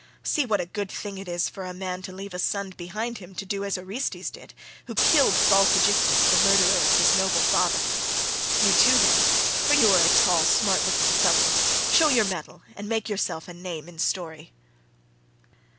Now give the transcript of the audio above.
See what a good thing it is for a man to leave a son behind him to do as Orestes did, who killed false Aegisthus the murderer of his noble father. You too, then—for you are a tall smart looking fellow—show your mettle and make yourself a name in story."